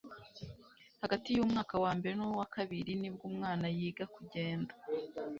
Hagati y'umwaka wa mbere nuwa kabiri nibwo umwana yiga kugenda